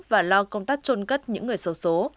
và lo công tác trôn cất những người sâu số